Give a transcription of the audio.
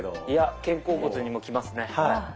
いや肩甲骨にもきますね。